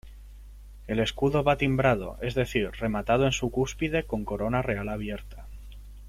El escudo va timbrado, es decir rematado en su cúspide, con corona real abierta.